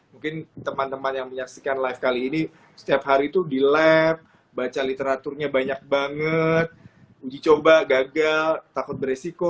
mungkin teman teman yang menyaksikan live kali ini setiap hari itu di lab baca literaturnya banyak banget uji coba gagal takut beresiko